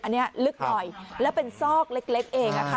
อันนี้ลึกหน่อยแล้วเป็นซอกเล็กเอง